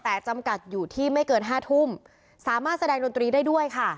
แต่จำกัดอยู่ที่ไม่เกินห้าทุ่มสามารถแสดงดนตรีได้ด้วยค่ะ